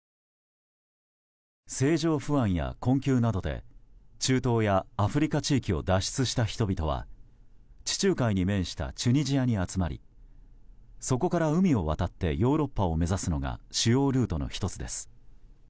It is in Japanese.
政情不安や困窮などで中東やアフリカ地域を脱出した人々は、地中海に面したチュニジアに集まりそこから海を渡ってヨーロッパを目指すのが主要ルートの１つです。